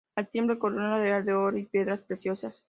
Al timbre, corona real de oro y piedras preciosas.